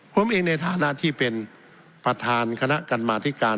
ผมเองในฐานะที่เป็นประธานคณะกรรมาธิการ